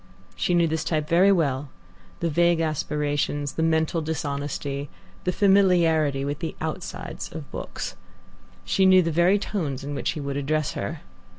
She knew this type very well the vague aspirations, the mental dishonesty, the familiarity with the outsides of books. She knew the very tones in which he would address her.